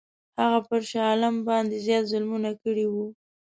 هغه پر شاه عالم باندي زیات ظلمونه کړي وه.